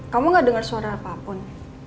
kamu gak dengar suara apapun